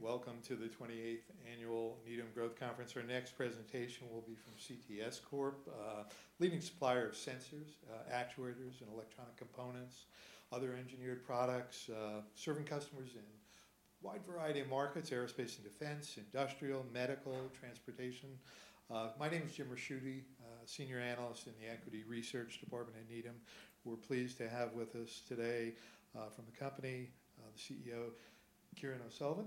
Welcome to the 28th Annual Needham Growth Conference. Our next presentation will be from CTS Corp, a leading supplier of sensors, actuators, and electronic components, other engineered products, serving customers in a wide variety of markets: aerospace and defense, industrial, medical, and transportation. My name is Jim Ricchiuti, Senior Analyst in the Equity Research Department at Needham. We're pleased to have with us today from the company, the CEO, Kieran O'Sullivan.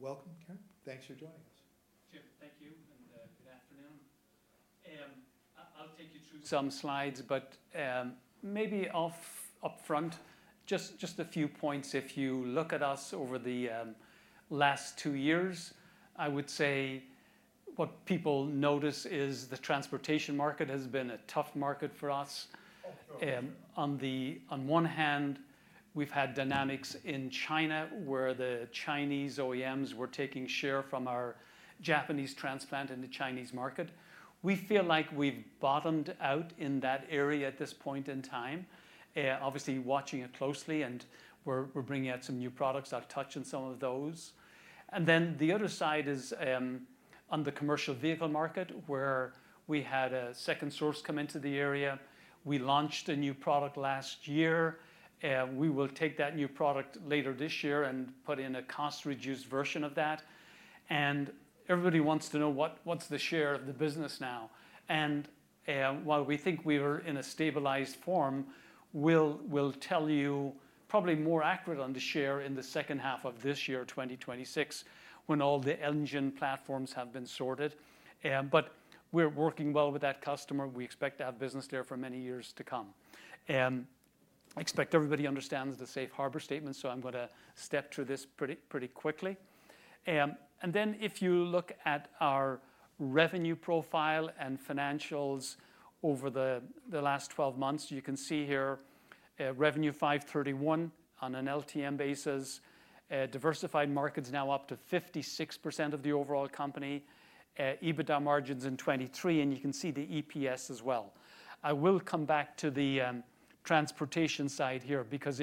Welcome, Kieran. Thanks for joining us. Kieran, thank you, and good afternoon. I'll take you through some slides, but maybe upfront, just a few points. If you look at us over the last two years, I would say what people notice is the transportation market has been a tough market for us. On the one hand, we've had dynamics in China where the Chinese OEMs were taking share from our Japanese transplant in the Chinese market. We feel like we've bottomed out in that area at this point in time, obviously watching it closely, and we're bringing out some new products. I'll touch on some of those, and then the other side is on the commercial vehicle market where we had a second source come into the area. We launched a new product last year. We will take that new product later this year and put in a cost-reduced version of that. Everybody wants to know what's the share of the business now. While we think we were in a stabilized form, we'll tell you probably more accurate on the share in the second half of this year, 2026, when all the engine platforms have been sorted. We're working well with that customer. We expect to have business there for many years to come. I expect everybody understands the safe harbor statement, so I'm going to step through this pretty quickly. If you look at our revenue profile and financials over the last 12 months, you can see here revenue $531 million on an LTM basis, diversified markets now up to 56% of the overall company, EBITDA margins in 23%, and you can see the EPS as well. I will come back to the transportation side here because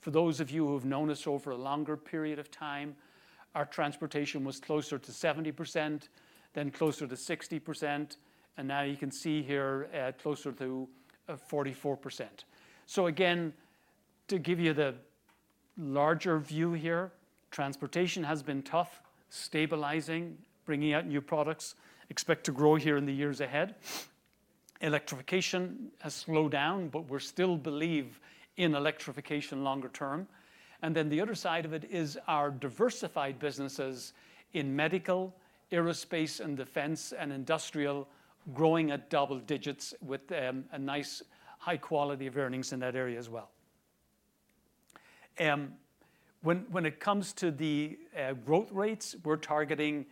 for those of you who have known us over a longer period of time, our transportation was closer to 70%, then closer to 60%, and now you can see here closer to 44%. So again, to give you the larger view here, transportation has been tough, stabilizing, bringing out new products, expect to grow here in the years ahead. Electrification has slowed down, but we still believe in electrification longer term. And then the other side of it is our diversified businesses in medical, aerospace, and defense, and industrial growing at double digits with a nice high quality of earnings in that area as well. When it comes to the growth rates, we're targeting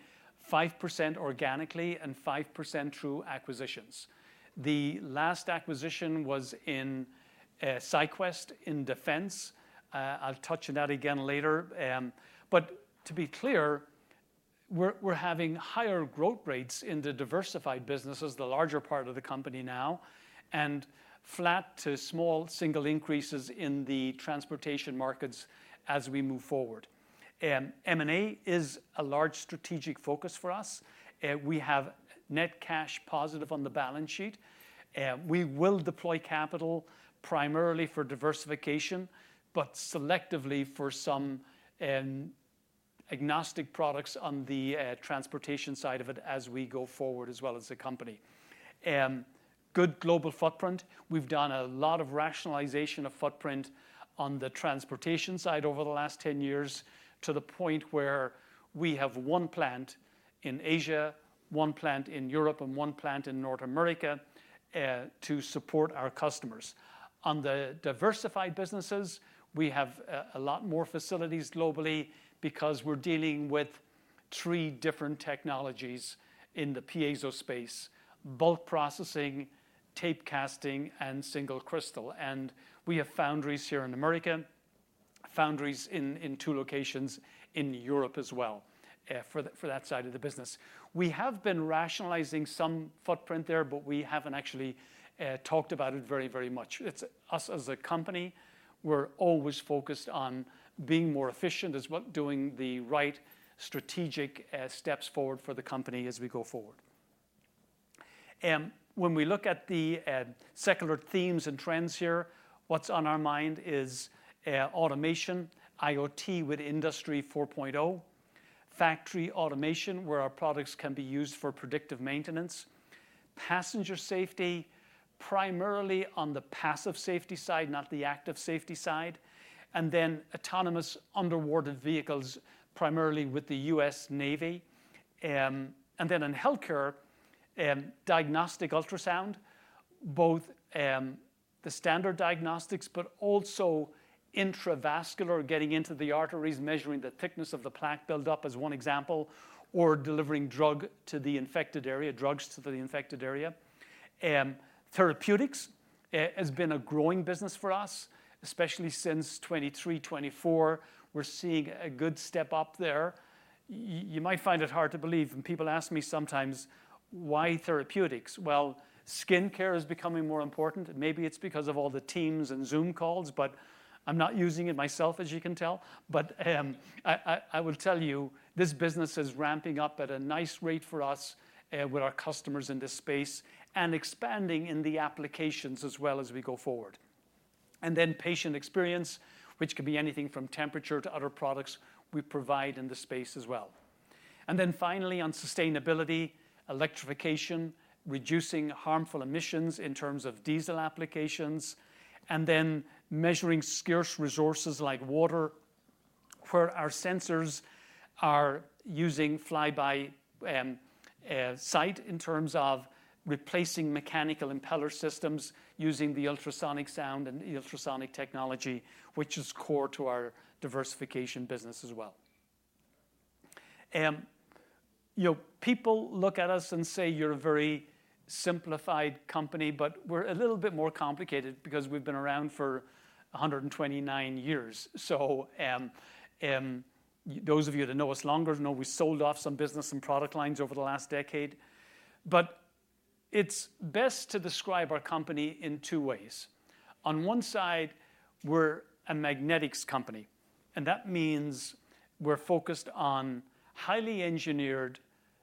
5% organically and 5% through acquisitions. The last acquisition was in SyQwest in defense. I'll touch on that again later. But to be clear, we're having higher growth rates in the diversified businesses, the larger part of the company now, and flat to small single increases in the transportation markets as we move forward. M&A is a large strategic focus for us. We have net cash positive on the balance sheet. We will deploy capital primarily for diversification, but selectively for some agnostic products on the transportation side of it as we go forward as well as the company. Good global footprint. We've done a lot of rationalization of footprint on the transportation side over the last 10 years to the point where we have one plant in Asia, one plant in Europe, and one plant in North America to support our customers. On the diversified businesses, we have a lot more facilities globally because we're dealing with three different technologies in the piezo space: bulk processing, tape casting, and single crystal, and we have foundries here in America, foundries in two locations in Europe as well for that side of the business. We have been rationalizing some footprint there, but we haven't actually talked about it very, very much. It's us as a company. We're always focused on being more efficient as well, doing the right strategic steps forward for the company as we go forward. When we look at the secular themes and trends here, what's on our mind is automation, IoT with Industry 4.0, factory automation where our products can be used for predictive maintenance, passenger safety primarily on the passive safety side, not the active safety side, and then autonomous underwater vehicles primarily with the U.S. Navy. And then in healthcare, diagnostic ultrasound, both the standard diagnostics, but also intravascular, getting into the arteries, measuring the thickness of the plaque buildup as one example, or delivering drug to the infected area, drugs to the infected area. Therapeutics has been a growing business for us, especially since 2023, 2024. We're seeing a good step up there. You might find it hard to believe. People ask me sometimes, why therapeutics? Well, skincare is becoming more important. Maybe it's because of all the Teams and Zoom calls, but I'm not using it myself, as you can tell. But I will tell you, this business is ramping up at a nice rate for us with our customers in this space and expanding in the applications as well as we go forward. And then patient experience, which could be anything from temperature to other products we provide in the space as well. And then finally, on sustainability, electrification, reducing harmful emissions in terms of diesel applications, and then measuring scarce resources like water where our sensors are using fly-by-wire in terms of replacing mechanical impeller systems using the ultrasonic sound and the ultrasonic technology, which is core to our diversification business as well. People look at us and say, you're a very simplified company, but we're a little bit more complicated because we've been around for 129 years. So those of you that know us longer know we sold off some business and product lines over the last decade. But it's best to describe our company in two ways. On one side, we're a magnetics company, and that means we're focused on highly engineered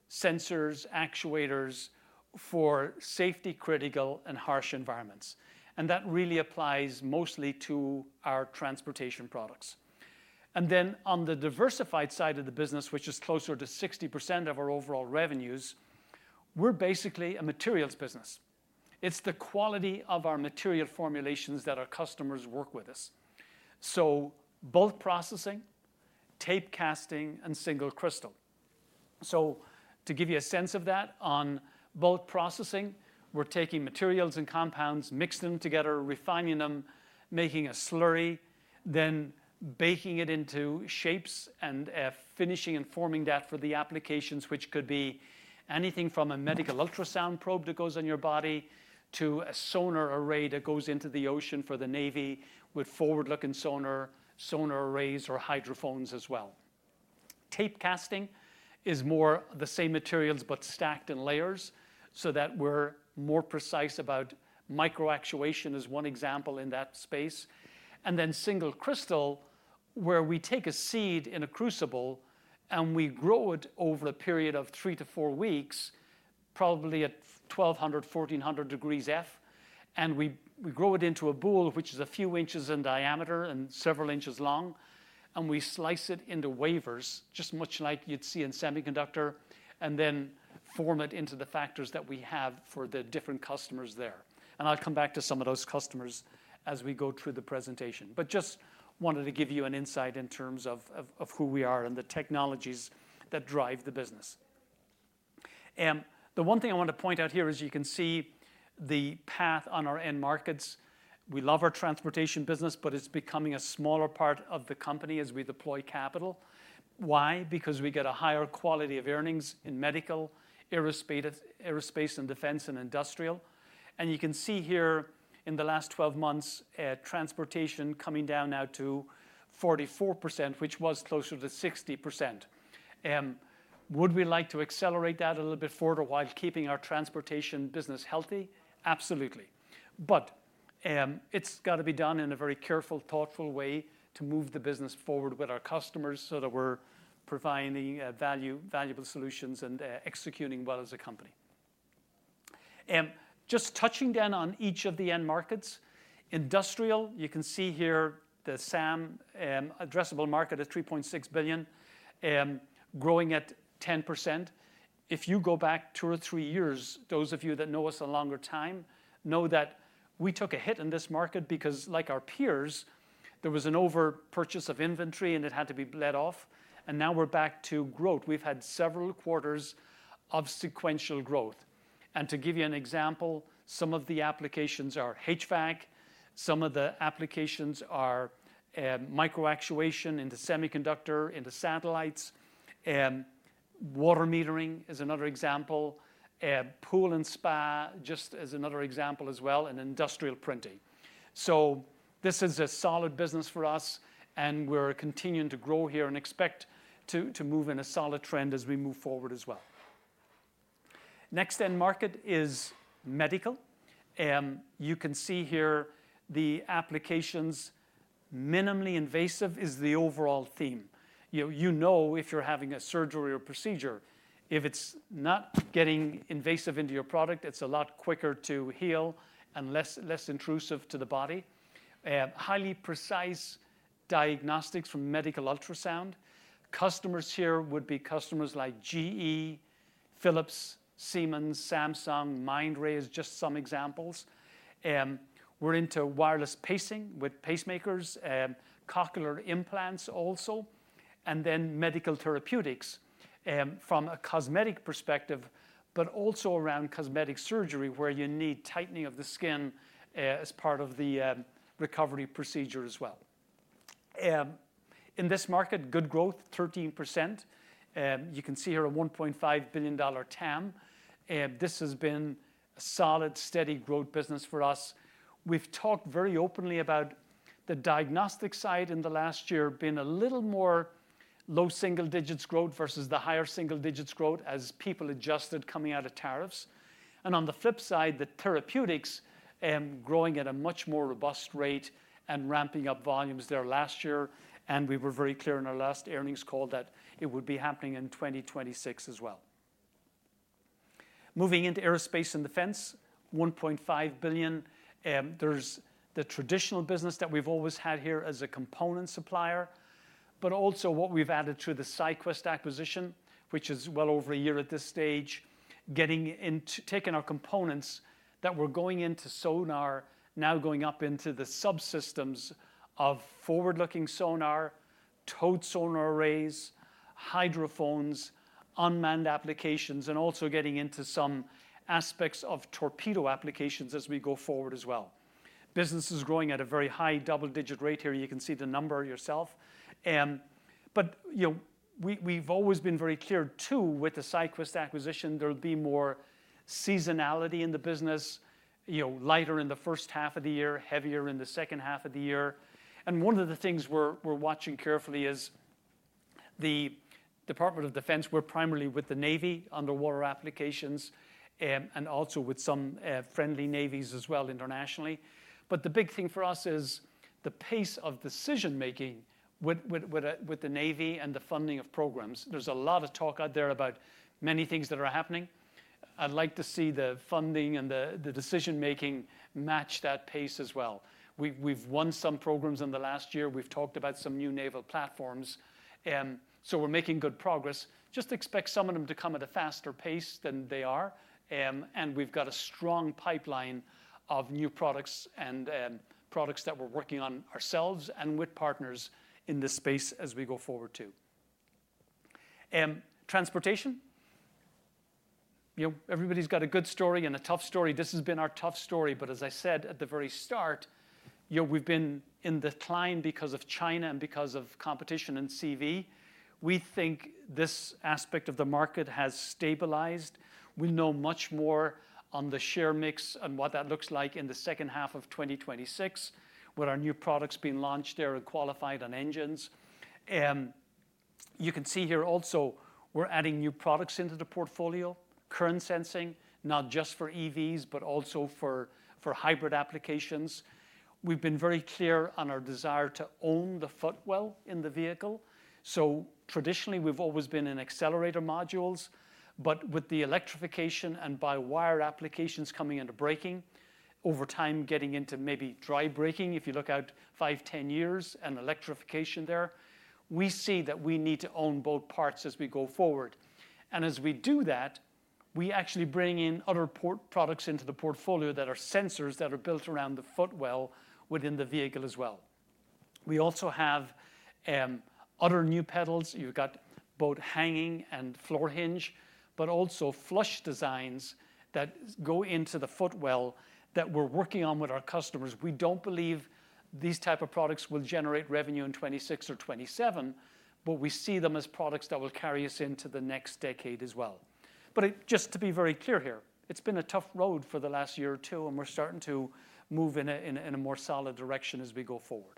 sensors, actuators for safety-critical and harsh environments. And that really applies mostly to our transportation products. And then on the diversified side of the business, which is closer to 60% of our overall revenues, we're basically a materials business. It's the quality of our material formulations that our customers work with us. So bulk processing, tape casting, and single crystal. So to give you a sense of that, on bulk processing, we're taking materials and compounds, mixing them together, refining them, making a slurry, then baking it into shapes and finishing and forming that for the applications, which could be anything from a medical ultrasound probe that goes on your body to a sonar array that goes into the ocean for the Navy with forward-looking sonar arrays or hydrophones as well. Tape casting is more the same materials, but stacked in layers so that we're more precise about micro-actuation as one example in that space. Then single crystal, where we take a seed in a crucible and we grow it over a period of three to four weeks, probably at 1200-1400 degrees Fahrenheit, and we grow it into a ball, which is a few inches in diameter and several inches long, and we slice it into wafers, just like you'd see in semiconductors, and then form it into the form factors that we have for the different customers there. I'll come back to some of those customers as we go through the presentation, but just wanted to give you an insight in terms of who we are and the technologies that drive the business. The one thing I want to point out here is you can see the path on our end markets. We love our transportation business, but it's becoming a smaller part of the company as we deploy capital. Why? Because we get a higher quality of earnings in medical, aerospace, and defense, and industrial. You can see here in the last 12 months, transportation coming down now to 44%, which was closer to 60%. Would we like to accelerate that a little bit further while keeping our transportation business healthy? Absolutely. It's got to be done in a very careful, thoughtful way to move the business forward with our customers so that we're providing valuable solutions and executing well as a company. Just touching down on each of the end markets, industrial, you can see here the SAM addressable market at $3.6 billion, growing at 10%. If you go back two or three years, those of you that know us a longer time know that we took a hit in this market because, like our peers, there was an overpurchase of inventory and it had to be let off. And now we're back to growth. We've had several quarters of sequential growth. And to give you an example, some of the applications are HVAC. Some of the applications are micro-actuation in the semiconductor, in the satellites. Water metering is another example. Pool and spa just as another example as well, and industrial printing. So this is a solid business for us, and we're continuing to grow here and expect to move in a solid trend as we move forward as well. Next end market is medical. You can see here the applications minimally invasive is the overall theme. You know if you're having a surgery or procedure, if it's not getting invasive into your body, it's a lot quicker to heal and less intrusive to the body. Highly precise diagnostics from medical ultrasound. Customers here would be customers like GE, Philips, Siemens, Samsung, Mindray is just some examples. We're into wireless pacing with pacemakers, cochlear implants also, and then medical therapeutics from a cosmetic perspective, but also around cosmetic surgery where you need tightening of the skin as part of the recovery procedure as well. In this market, good growth, 13%. You can see here a $1.5 billion TAM. This has been a solid, steady growth business for us. We've talked very openly about the diagnostic side in the last year, been a little more low single digits growth versus the higher single digits growth as people adjusted coming out of tariffs. On the flip side, the therapeutics growing at a much more robust rate and ramping up volumes there last year. We were very clear in our last earnings call that it would be happening in 2026 as well. Moving into aerospace and defense, $1.5 billion. There's the traditional business that we've always had here as a component supplier, but also what we've added through the SyQwest acquisition, which is well over a year at this stage, getting into taking our components that we're going into sonar, now going up into the subsystems of forward-looking sonar, towed sonar arrays, hydrophones, unmanned applications, and also getting into some aspects of torpedo applications as we go forward as well. Business is growing at a very high double digit rate here. You can see the number yourself. We've always been very clear too with the SyQwest acquisition. There'll be more seasonality in the business, lighter in the first half of the year, heavier in the second half of the year, and one of the things we're watching carefully is the Department of Defense. We're primarily with the Navy underwater applications and also with some friendly navies as well internationally, but the big thing for us is the pace of decision-making with the Navy and the funding of programs. There's a lot of talk out there about many things that are happening. I'd like to see the funding and the decision-making match that pace as well. We've won some programs in the last year. We've talked about some new naval platforms, so we're making good progress. Just expect some of them to come at a faster pace than they are. And we've got a strong pipeline of new products and products that we're working on ourselves and with partners in this space as we go forward too. Transportation. Everybody's got a good story and a tough story. This has been our tough story. But as I said at the very start, we've been in decline because of China and because of competition and CV. We think this aspect of the market has stabilized. We know much more on the share mix and what that looks like in the second half of 2026 with our new products being launched there and qualified on engines. You can see here also we're adding new products into the portfolio, current sensing, not just for EVs, but also for hybrid applications. We've been very clear on our desire to own the footwell in the vehicle. Traditionally, we've always been in accelerator modules, but with the electrification and by-wire applications coming into braking, over time getting into maybe dry braking, if you look out five, 10 years and electrification there, we see that we need to own both parts as we go forward. And as we do that, we actually bring in other products into the portfolio that are sensors that are built around the footwell within the vehicle as well. We also have other new pedals. You've got both hanging and floor hinge, but also flush designs that go into the footwell that we're working on with our customers. We don't believe these types of products will generate revenue in 2026 or 2027, but we see them as products that will carry us into the next decade as well. But just to be very clear here, it's been a tough road for the last year or two, and we're starting to move in a more solid direction as we go forward.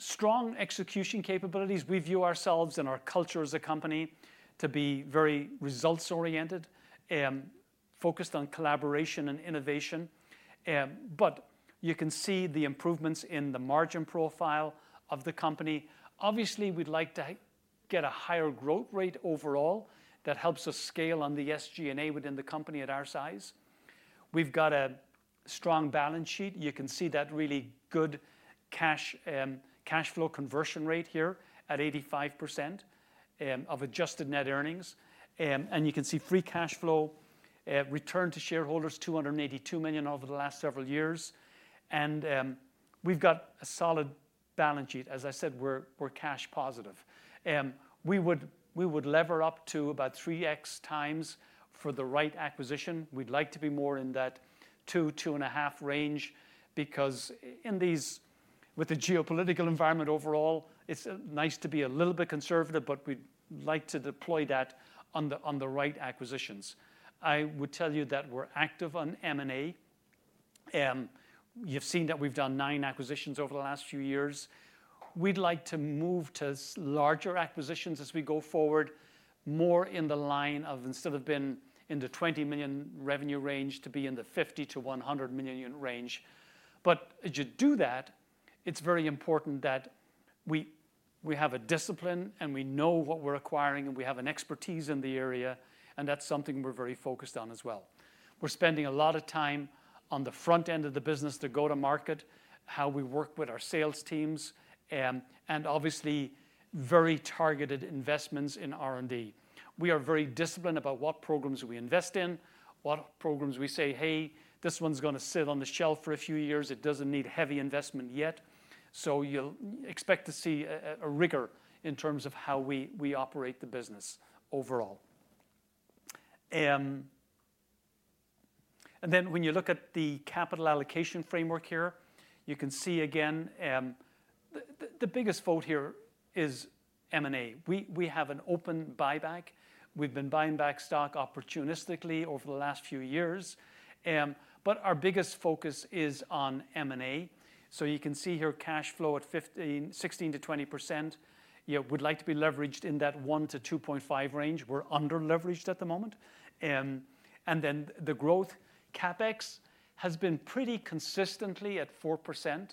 Strong execution capabilities. We view ourselves and our culture as a company to be very results-oriented, focused on collaboration and innovation. But you can see the improvements in the margin profile of the company. Obviously, we'd like to get a higher growth rate overall that helps us scale on the SG&A within the company at our size. We've got a strong balance sheet. You can see that really good cash flow conversion rate here at 85% of adjusted net earnings. And you can see free cash flow returned to shareholders, $282 million over the last several years. And we've got a solid balance sheet. As I said, we're cash positive. We would lever up to about 3x times for the right acquisition. We'd like to be more in that 2%-2.5% range because with the geopolitical environment overall, it's nice to be a little bit conservative, but we'd like to deploy that on the right acquisitions. I would tell you that we're active on M&A. You've seen that we've done nine acquisitions over the last few years. We'd like to move to larger acquisitions as we go forward, more in the line of instead of being in the 20 million revenue range to be in the 50-100 million range, but as you do that, it's very important that we have a discipline and we know what we're acquiring and we have an expertise in the area, and that's something we're very focused on as well. We're spending a lot of time on the front end of the business, the go-to-market, how we work with our sales teams, and obviously very targeted investments in R&D. We are very disciplined about what programs we invest in, what programs we say, "Hey, this one's going to sit on the shelf for a few years. It doesn't need heavy investment yet." So you'll expect to see a rigor in terms of how we operate the business overall, and then when you look at the capital allocation framework here, you can see again, the biggest vote here is M&A. We have an open buyback. We've been buying back stock opportunistically over the last few years, but our biggest focus is on M&A, so you can see here cash flow at 16%-20%. We'd like to be leveraged in that 1%-2.5% range. We're underleveraged at the moment. And then the growth, CapEx has been pretty consistently at 4%.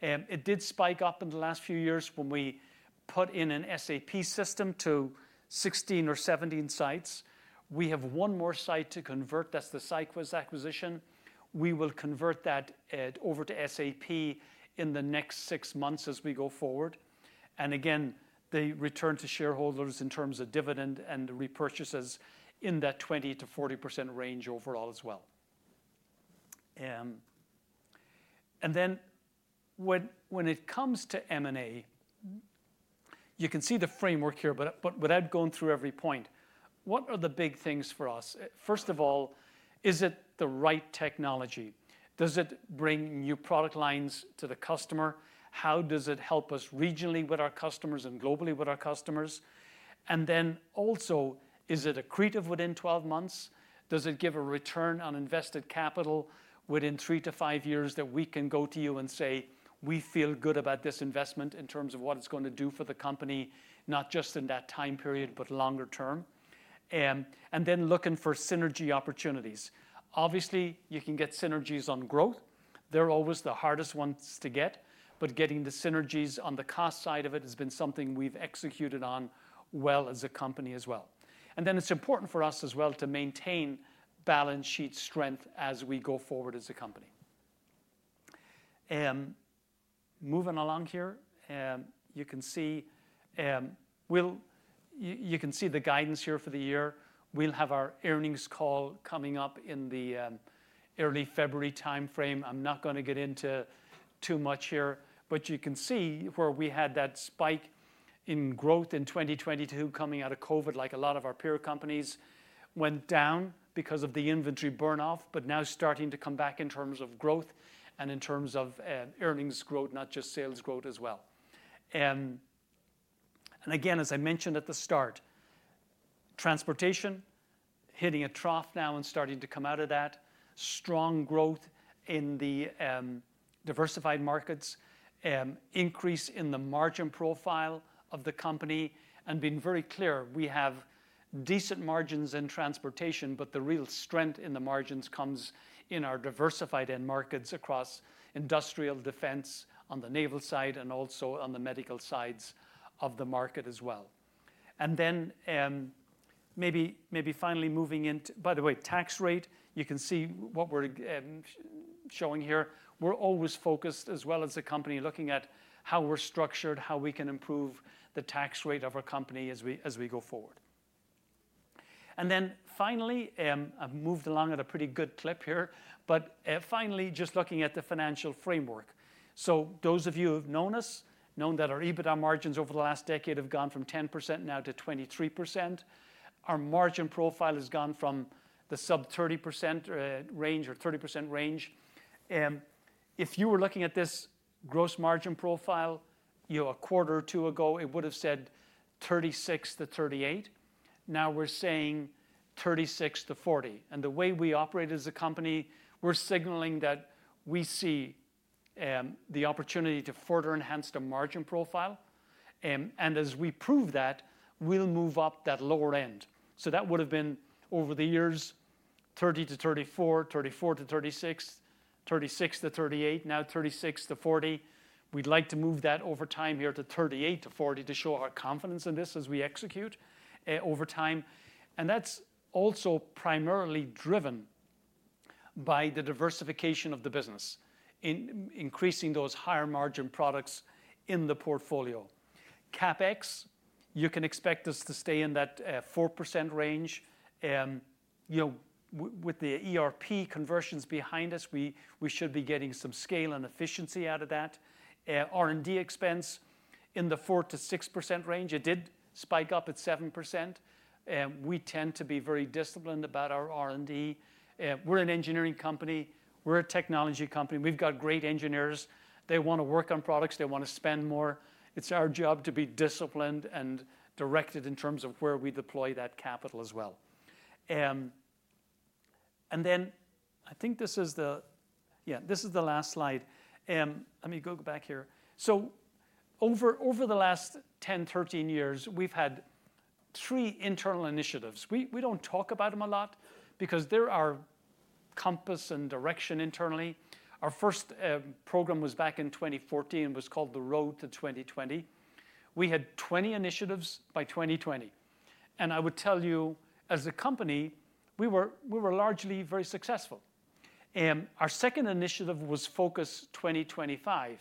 It did spike up in the last few years when we put in an SAP system to 16 or 17 sites. We have one more site to convert. That's the SyQwest acquisition. We will convert that over to SAP in the next six months as we go forward. And again, the return to shareholders in terms of dividend and repurchases in that 20%-40% range overall as well. And then when it comes to M&A, you can see the framework here, but without going through every point, what are the big things for us? First of all, is it the right technology? Does it bring new product lines to the customer? How does it help us regionally with our customers and globally with our customers? And then also, is it accretive within 12 months? Does it give a return on invested capital within three to five years that we can go to you and say, "We feel good about this investment in terms of what it's going to do for the company, not just in that time period, but longer term?" And then looking for synergy opportunities. Obviously, you can get synergies on growth. They're always the hardest ones to get. But getting the synergies on the cost side of it has been something we've executed on well as a company as well. And then it's important for us as well to maintain balance sheet strength as we go forward as a company. Moving along here, you can see the guidance here for the year. We'll have our earnings call coming up in the early February timeframe. I'm not going to get into too much here, but you can see where we had that spike in growth in 2022 coming out of COVID, like a lot of our peer companies went down because of the inventory burn-off, but now starting to come back in terms of growth and in terms of earnings growth, not just sales growth as well. And again, as I mentioned at the start, transportation hitting a trough now and starting to come out of that. Strong growth in the diversified markets, increase in the margin profile of the company. And being very clear, we have decent margins in transportation, but the real strength in the margins comes in our diversified end markets across industrial, defense on the naval side, and also on the medical sides of the market as well. Then maybe finally moving into, by the way, tax rate, you can see what we're showing here. We're always focused as well as a company looking at how we're structured, how we can improve the tax rate of our company as we go forward. Then finally, I've moved along at a pretty good clip here, but finally just looking at the financial framework. Those of you who've known us know that our EBITDA margins over the last decade have gone from 10% now to 23%. Our margin profile has gone from the sub 30% range or 30% range. If you were looking at this gross margin profile a quarter or two ago, it would have said 36%-38%. Now we're saying 36% to 40%. The way we operate as a company, we're signaling that we see the opportunity to further enhance the margin profile. And as we prove that, we'll move up that lower end. So that would have been over the years 30%-34%, 34%-36%, 36%-38%, now 36%-40%. We'd like to move that over time here to 38%-40% to show our confidence in this as we execute over time. And that's also primarily driven by the diversification of the business, increasing those higher margin products in the portfolio. CapEx, you can expect us to stay in that 4% range. With the ERP conversions behind us, we should be getting some scale and efficiency out of that. R&D expense in the 4%-6% range. It did spike up at 7%. We tend to be very disciplined about our R&D. We're an engineering company. We're a technology company. We've got great engineers. They want to work on products. They want to spend more. It's our job to be disciplined and directed in terms of where we deploy that capital as well. And then I think this is the last slide. Let me go back here. So over the last 10, 13 years, we've had three internal initiatives. We don't talk about them a lot because they're our compass and direction internally. Our first program was back in 2014. It was called The Road to 2020. We had 20 initiatives by 2020. And I would tell you, as a company, we were largely very successful. Our second initiative was Focus 2025,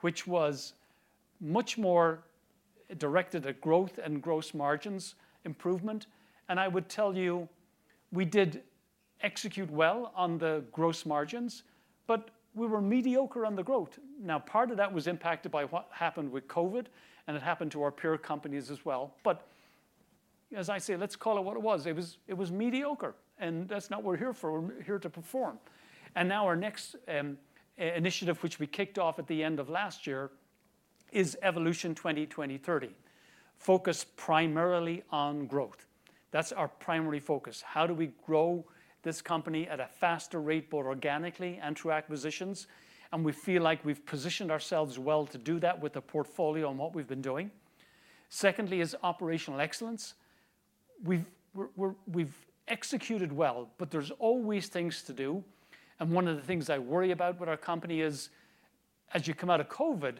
which was much more directed at growth and gross margins improvement. And I would tell you, we did execute well on the gross margins, but we were mediocre on the growth. Now, part of that was impacted by what happened with COVID, and it happened to our peer companies as well. But as I say, let's call it what it was. It was mediocre, and that's not what we're here for. We're here to perform. And now our next initiative, which we kicked off at the end of last year, is Evolution 2030, focused primarily on growth. That's our primary focus. How do we grow this company at a faster rate both organically and through acquisitions? And we feel like we've positioned ourselves well to do that with the portfolio and what we've been doing. Secondly is operational excellence. We've executed well, but there's always things to do. And one of the things I worry about with our company is, as you come out of COVID,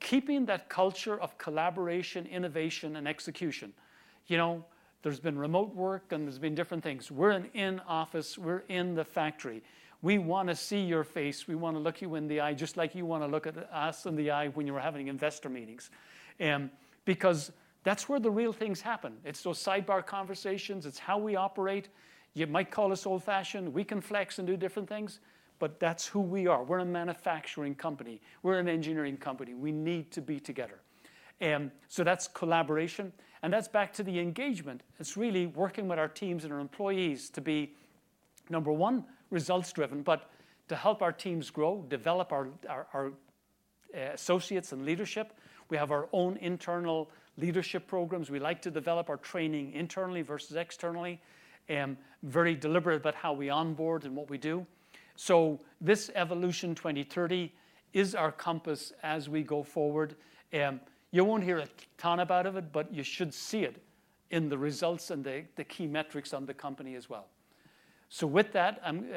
keeping that culture of collaboration, innovation, and execution. There's been remote work, and there's been different things. We're in office. We're in the factory. We want to see your face. We want to look you in the eye just like you want to look at us in the eye when you're having investor meetings. Because that's where the real things happen. It's those sidebar conversations. It's how we operate. You might call us old-fashioned. We can flex and do different things, but that's who we are. We're a manufacturing company. We're an engineering company. We need to be together. So that's collaboration. And that's back to the engagement. It's really working with our teams and our employees to be, number one, results-driven, but to help our teams grow, develop our associates and leadership. We have our own internal leadership programs. We like to develop our training internally versus externally, very deliberate about how we onboard and what we do. So this Evolution 2030 is our compass as we go forward. You won't hear a ton about it, but you should see it in the results and the key metrics on the company as well. So with that, I'm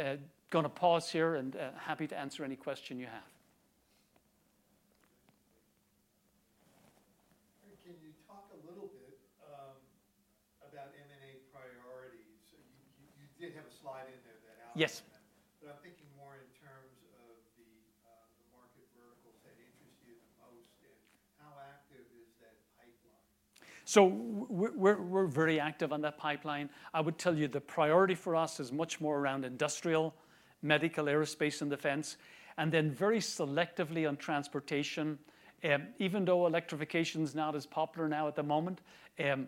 going to pause here, and happy to answer any question you have. Can you talk a little bit about M&A priorities? You did have a slide in there that outlined that. But I'm thinking more in terms of the market verticals that interest you the most, and how active is that pipeline? So we're very active on that pipeline. I would tell you the priority for us is much more around industrial, medical, aerospace, and defense, and then very selectively on transportation. Even though electrification is not as popular now at the moment,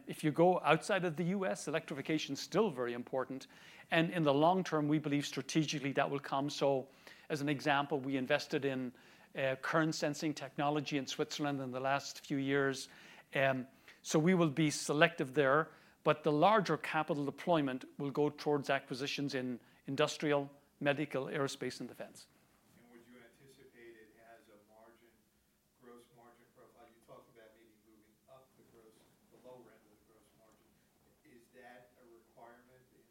if you go outside of the U.S., electrification is still very important. And in the long term, we believe strategically that will come. So as an example, we invested in current sensing technology in Switzerland in the last few years. So we will be selective there, but the larger capital deployment will go towards acquisitions in industrial, medical, aerospace, and defense. And would you anticipate it has a gross margin profile? You talked about maybe moving up the lower end of the gross margin. Is that a requirement in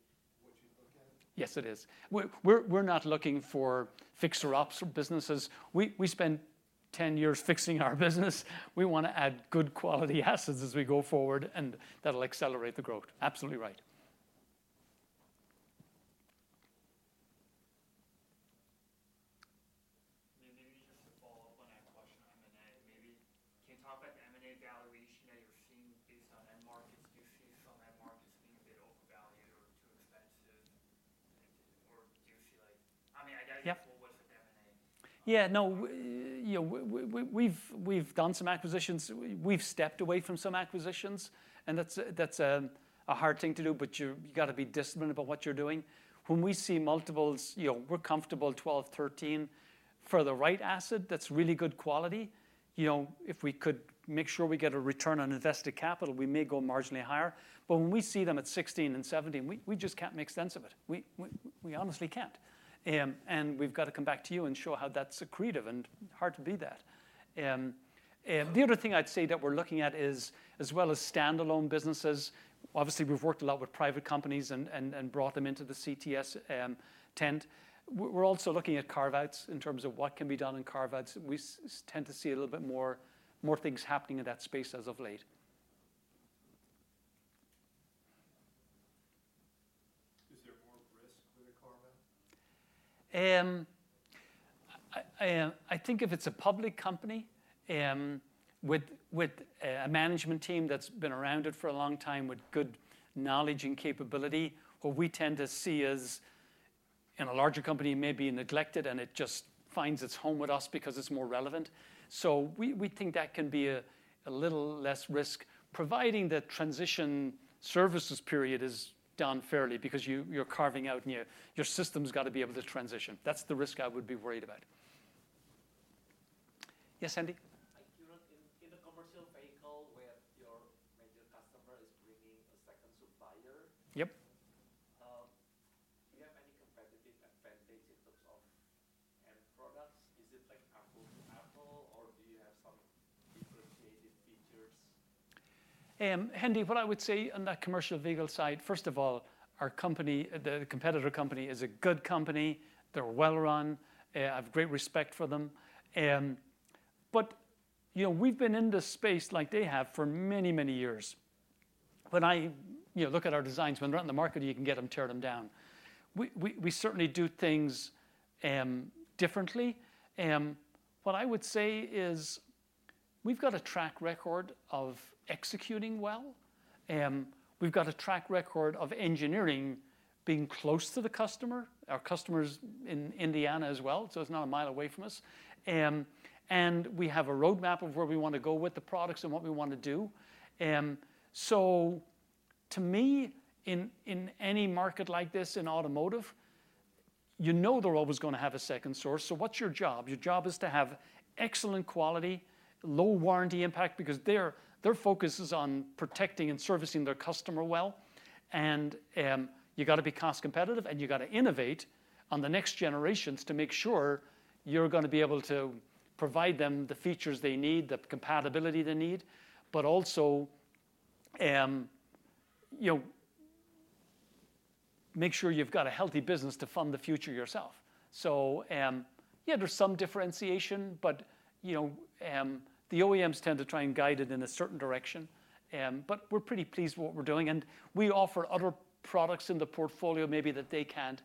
what you look at? Yes, it is. We're not looking for fixer-ups or businesses. We spend 10 years fixing our business. We want to add good quality assets as we go forward, and that'll accelerate the growth. Absolutely right. Maybe just to follow up on that question, M&A. Maybe can you talk about the M&A valuation that you're seeing based on end markets? Do you see some end markets being a bit overvalued or too expensive? Or do you see like I mean, I got your full list of M&A. Yeah. No, we've done some acquisitions. We've stepped away from some acquisitions, and that's a hard thing to do, but you got to be disciplined about what you're doing. When we see multiples, we're comfortable 12%-13% for the right asset that's really good quality. If we could make sure we get a return on invested capital, we may go marginally higher, but when we see them at 16%-17%, we just can't make sense of it. We honestly can't, and we've got to come back to you and show how that's accretive and hard to be that. The other thing I'd say that we're looking at is, as well as standalone businesses, obviously we've worked a lot with private companies and brought them into the CTS tent. We're also looking at carve-outs in terms of what can be done in carve-outs. We tend to see a little bit more things happening in that space as of late. Is there more risk with a carve-out? I think if it's a public company with a management team that's been around it for a long time with good knowledge and capability, what we tend to see is in a larger company may be neglected, and it just finds its home with us because it's more relevant. So we think that can be a little less risk, providing that transition services period is done fairly because you're carving out and your system's got to be able to transition. That's the risk I would be worried about. Yes, Andy? In the commercial vehicle where your major customer is bringing a second supplier, do you have any competitive advantage in terms of end products? Is it like Apple to Apple, or do you have some differentiated features? Andy, what I would say on that commercial vehicle side, first of all, our company, the competitor company, is a good company. They're well-run. I have great respect for them. But we've been in this space like they have for many, many years. When I look at our designs, when they're out in the market, you can get them torn down. We certainly do things differently. What I would say is we've got a track record of executing well. We've got a track record of engineering being close to the customer. Our customer's in Indiana as well, so it's not a mile away from us and we have a roadmap of where we want to go with the products and what we want to do. To me, in any market like this in automotive, you know they're always going to have a second source. So what's your job? Your job is to have excellent quality, low warranty impact because their focus is on protecting and servicing their customer well. You got to be cost competitive, and you got to innovate on the next generations to make sure you're going to be able to provide them the features they need, the compatibility they need, but also make sure you've got a healthy business to fund the future yourself. Yeah, there's some differentiation, but the OEMs tend to try and guide it in a certain direction. But we're pretty pleased with what we're doing. And we offer other products in the portfolio maybe that they can't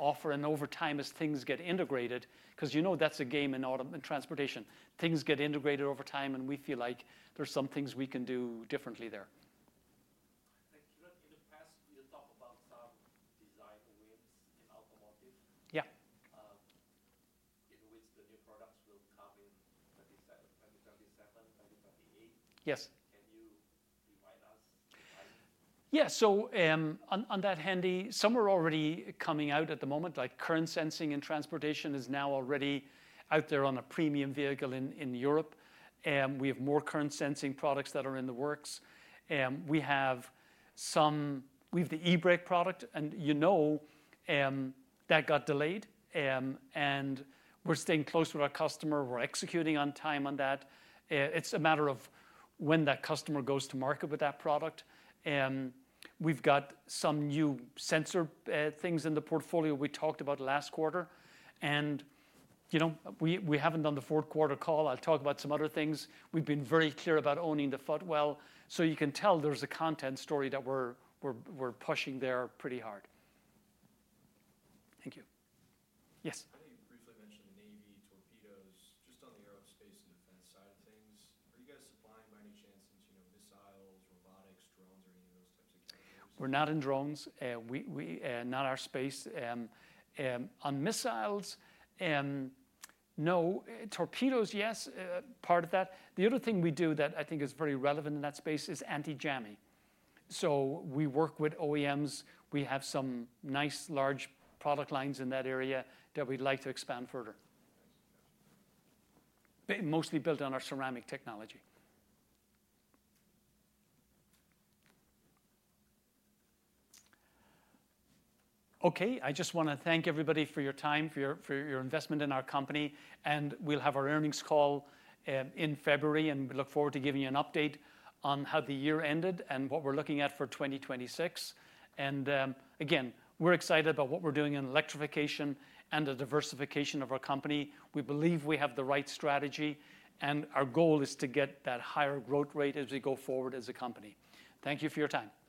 offer over time as things get integrated because you know that's a game in transportation. Things get integrated over time, and we feel like there's some things we can do differently there. In the past, you talked about some design wins in automotive. Yeah. In which the new products will come in 2027, 2028. Can you remind us? Yeah. So on that, Andy, some are already coming out at the moment. Current sensing in transportation is now already out there on a premium vehicle in Europe. We have more current sensing products that are in the works. We have the E-Brake product, and you know that got delayed. And we're staying close with our customer. We're executing on time on that. It's a matter of when that customer goes to market with that product. We've got some new sensor things in the portfolio we talked about last quarter. And we haven't done the fourth quarter call. I'll talk about some other things. We've been very clear about owning the footwell. So you can tell there's a content story that we're pushing there pretty hard. Thank you. Yes. I know you briefly mentioned Navy torpedoes just on the aerospace and defense side of things. Are you guys supplying by any chance missiles, robotics, drones, or any of those types of capabilities? We're not in drones. Not our space. On missiles, no. Torpedoes, yes, part of that. The other thing we do that I think is very relevant in that space is anti-jamming. So we work with OEMs. We have some nice large product lines in that area that we'd like to expand further, mostly built on our ceramic technology. Okay. I just want to thank everybody for your time, for your investment in our company. And we'll have our earnings call in February, and we look forward to giving you an update on how the year ended and what we're looking at for 2026. And again, we're excited about what we're doing in electrification and the diversification of our company. We believe we have the right strategy, and our goal is to get that higher growth rate as we go forward as a company. Thank you for your time. Thank you.